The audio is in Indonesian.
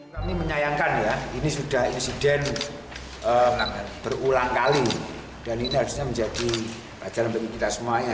kami menyayangkan ya ini sudah insiden berulang kali dan ini harusnya menjadi pelajaran bagi kita semuanya